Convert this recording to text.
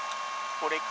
これか？